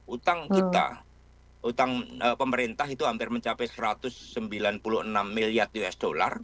utang kita utang pemerintah itu hampir mencapai satu ratus sembilan puluh enam miliar usd